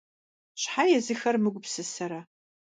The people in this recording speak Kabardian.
Щхьэ езыхэр мыгупсысэрэ?!